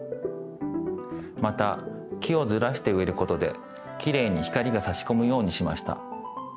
また木をずらしてうえることできれいに光がさしこむようにしました。